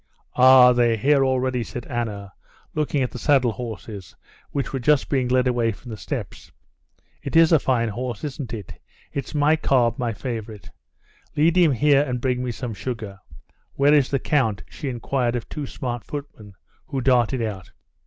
"Ah, they're here already!" said Anna, looking at the saddle horses, which were just being led away from the steps. "It is a nice horse, isn't it? It's my cob; my favorite. Lead him here and bring me some sugar. Where is the count?" she inquired of two smart footmen who darted out.